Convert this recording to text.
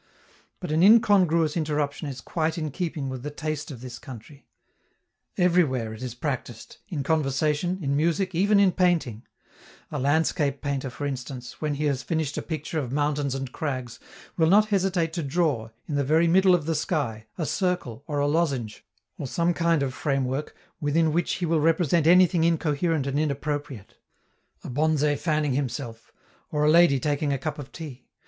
But an incongruous interruption is quite in keeping with the taste of this country; everywhere it is practised, in conversation, in music, even in painting; a landscape painter, for instance, when he has finished a picture of mountains and crags, will not hesitate to draw, in the very middle of the sky, a circle, or a lozenge, or some kind of framework, within which he will represent anything incoherent and inappropriate: a bonze fanning himself, or a lady taking a cup of tea.